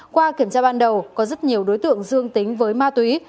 qua kiểm tra ban đầu có rất nhiều đối tượng dương tính với ma túy